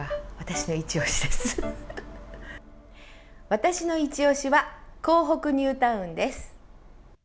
私のいちオシは港北ニュータウンです。